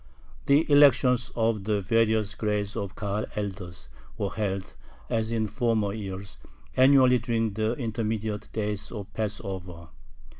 The elections of the various grades of Kahal elders were held, as in former years, annually during the intermediate days of Passover.